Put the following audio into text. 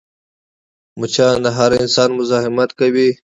مچان د هر انسان مزاحمت کوي